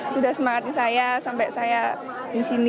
sudah semangatnya saya sampai saya disini